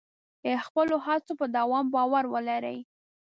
د خپلو هڅو په دوام باور ولرئ.